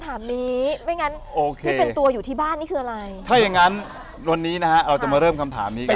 ถ้าอย่างนั้นวันนี้เราจะมาเริ่มคำถามนี้กัน